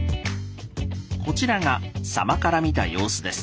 こちらが狭間から見た様子です。